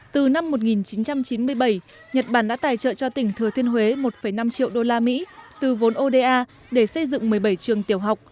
từ năm một nghìn chín trăm chín mươi bảy nhật bản đã tài trợ cho tỉnh thừa thiên huế một năm triệu đô la mỹ từ vốn oda để xây dựng một mươi bảy trường tiểu học